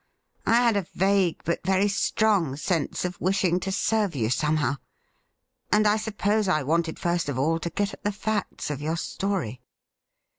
I had a vague but very strong sense of wishing to serve you somehow ; and I suppose I wanted first of all to get at the facts of your story.'